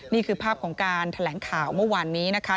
นี่คือภาพของการแถลงข่าวเมื่อวานนี้นะคะ